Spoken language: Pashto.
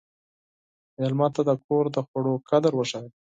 مېلمه ته د کور د خوړو قدر وښیه.